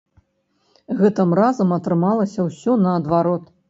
Гэтым разам атрымалася ўсё наадварот.